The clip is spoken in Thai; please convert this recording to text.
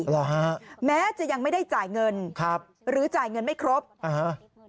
หรอฮะแม้จะยังไม่ได้จ่ายเงินครับหรือจ่ายเงินไม่ครบอ่าฮะ